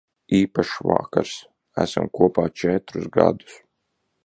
Īpašs vakars. Esam kopā četrus gadus.